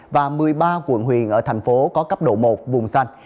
và một mươi ba quận huyện ở thành phố có cấp độ một vùng xanh